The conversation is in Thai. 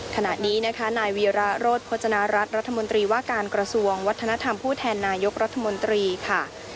ขณะนี้นะคะนายวีระโรธโภจนารัฐรัฐมนตรีว่าการกระทรวงวัฒนธรรมผู้แทนนายกรัฐมนตรีค่ะ